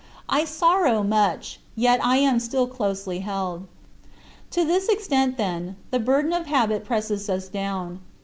I sorrow much, yet I am still closely held. To this extent, then, the burden of habit presses us down.